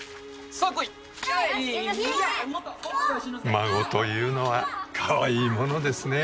孫というのはかわいいものですね。